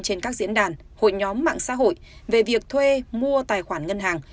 trên các diễn đàn hội nhóm mạng xã hội về việc thuê mua tài khoản ngân hàng